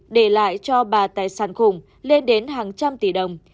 để lại cho bà tài sản khủng lên đến hàng trăm tỷ đồng